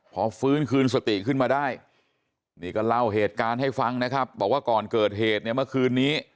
พอฟื้นคืนสติขึ้นมาได้นี่ก็เล่าเหตุการณ์ให้ฟังนะครับบอกว่าก่อนเกิดเหตุเนี่ยเมื่อคืนนี้